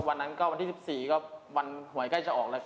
วันนั้นก็วันที่๑๔ก็วันหวยใกล้จะออกแล้ว